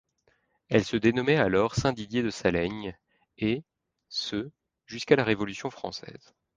Elle se dénommait alors Saint-Didier-de-Saleignes et, ce, jusqu'à la Révolution française.